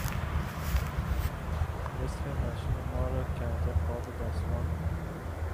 نصف ماشین ما رو کرده قاب دستمال؟